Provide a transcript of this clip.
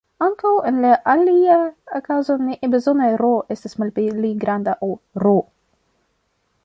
Ankaŭ, en la alia okazo ne bezone "r" estas malpli granda ol "R".